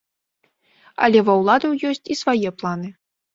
Але ва ўладаў ёсць і свае планы.